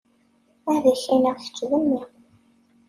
Ad k-iniɣ kečč a mmi.